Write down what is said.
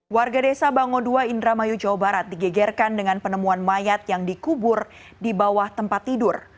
warga desa bango dua indramayu jawa barat digegerkan dengan penemuan mayat yang dikubur di bawah tempat tidur